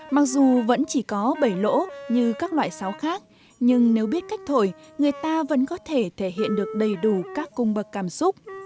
mặc dù vẫn chỉ có bảy lỗ như các loại sáo khác nhưng nếu biết cách thổi người ta vẫn có thể thể hiện được đầy đủ các cung bậc cảm xúc